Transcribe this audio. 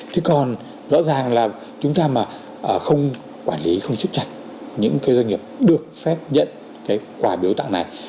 thế còn rõ ràng là chúng ta mà không quản lý không siết chặt những cái doanh nghiệp được phép nhận cái quà biếu tặng này